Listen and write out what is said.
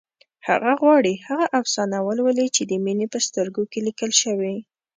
هغه غواړي هغه افسانه ولولي چې د مينې په سترګو کې لیکل شوې